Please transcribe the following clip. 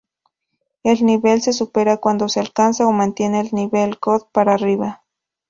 El nivel se supera cuando se alcanza o mantiene del nivel "Good" para arriba.